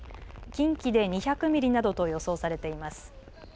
近畿で２００ミリなどと予想されています。